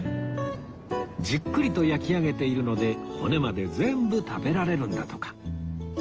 じっくりと焼き上げているので骨まで全部食べられるんだとか